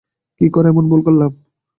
কী করে এমন ভুল করলাম?